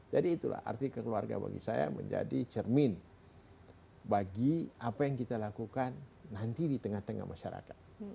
jadi itulah arti keluarga bagi saya menjadi cermin bagi apa yang kita lakukan nanti di tengah tengah masyarakat